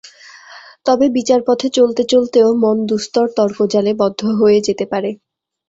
তবে বিচারপথে চলতে চলতেও মন দুস্তর তর্কজালে বদ্ধ হয়ে যেতে পারে।